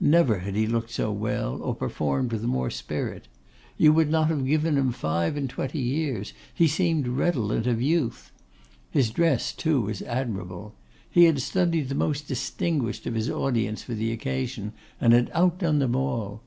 Never had he looked so well, or performed with more spirit. You would not have given him five and twenty years; he seemed redolent of youth. His dress, too, was admirable. He had studied the most distinguished of his audience for the occasion, and had outdone them all.